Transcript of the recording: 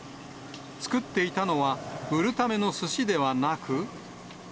作っていたのは、売るためのすしではなく。